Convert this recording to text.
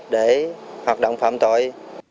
để hoạt động phạm tội